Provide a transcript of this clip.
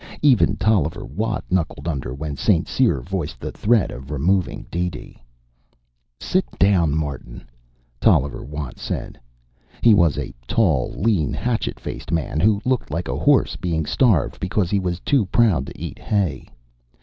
Even Tolliver Watt knuckled under when St. Cyr voiced the threat of removing DeeDee. "Sit down, Martin," Tolliver Watt said. He was a tall, lean, hatchet faced man who looked like a horse being starved because he was too proud to eat hay.